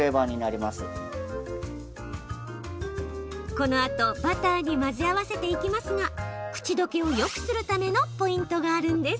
このあと、バターに混ぜ合わせていきますが口溶けをよくするためのポイントがあるんです。